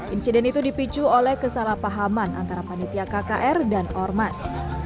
insiden itu dipicu oleh kesalahpahaman antara panitia kkr dan ormas